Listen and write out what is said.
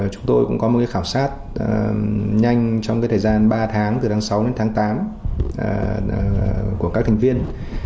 chúng tôi cũng có một khảo sát nhanh trong thời gian ba tháng từ tháng sáu đến tháng tám của các thành viên